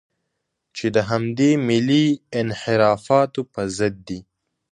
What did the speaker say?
چې د همدې ملي انحرافاتو په ضد دي.